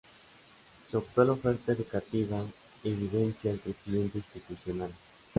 Su actual oferta educativa evidencia el crecimiento institucional.